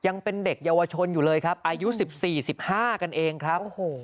ยังเป็นเด็กเยาวชนอยู่เลยครับอายุ๑๔๑๕กันเองครับ